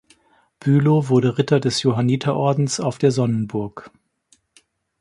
Bülow wurde Ritter des Johanniterordens auf der Sonnenburg.